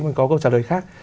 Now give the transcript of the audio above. mình có câu trả lời khác